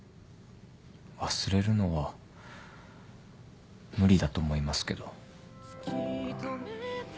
忘れるのは無理だと思いますけど。